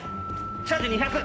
チャージ２００。